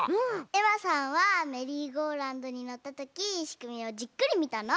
えまさんはメリーゴーラウンドにのったときしくみをじっくりみたの？